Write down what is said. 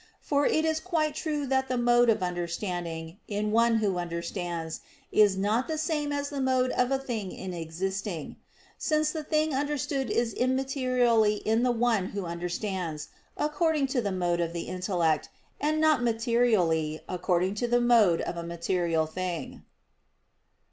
For it is quite true that the mode of understanding, in one who understands, is not the same as the mode of a thing in existing: since the thing understood is immaterially in the one who understands, according to the mode of the intellect, and not materially, according to the mode of a material thing.